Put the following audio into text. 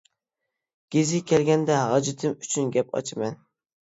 گىزى كەلگەندە ھاجىتىم ئۈچۈن گەپ ئاچىمەن.